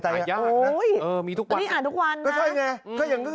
อ่ายากตัวเนี่ย